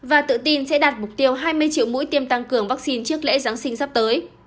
và tự tin sẽ đạt mục tiêu hai mươi triệu mũi tiêm tăng cường vaccine trước lễ giáng sinh sắp tới